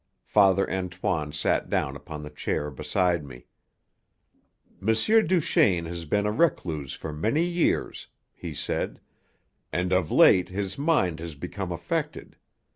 Father Antoine sat down upon the chair beside me. "M. Duchaine has been a recluse for many years," he said, "and of late his mind has become affected.